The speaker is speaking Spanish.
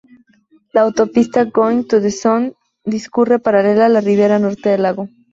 La autopista Going-to-the-Sun discurre paralela a la ribera norte del lago.